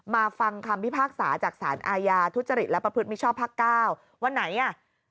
ฟังคำพิพากษาจากสารอาญาทุจริตและประพฤติมิชชอบภาคเก้าวันไหนอ่ะ